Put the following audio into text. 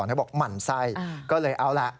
เธอบอกหมั่นไส้ก็เลยเอาล่ะ